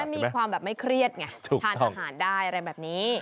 มีความแบบไม่เครียดไงทานอาหารได้อะไรแบบนี้